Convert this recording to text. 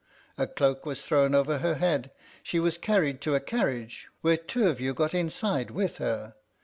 A cloak was thrown over her head, she was carried to a carriage, where two of you got inside with her.